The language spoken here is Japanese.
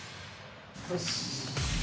よし。